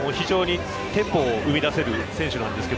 テンポを生み出せる選手です。